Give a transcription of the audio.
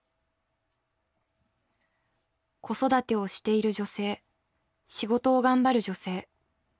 子育てをしている女性仕事を頑張る女性。